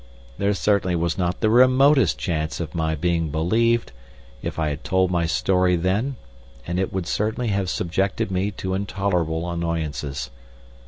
There certainly was not the remotest chance of my being believed, if I had told my story then, and it would certainly have subjected me to intolerable annoyances.